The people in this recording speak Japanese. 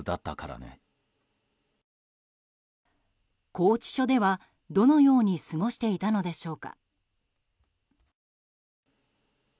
拘置所では、どのように過ごしていたのでしょうか。